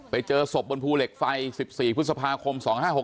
ไปเจอศพบนภูเหล็กไฟ๑๔พฤษภาคม๒๕๖๖